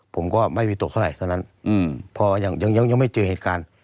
ผมก็ไม่วิตุกเท่านั้นยังไม่เจอเหตุการณ์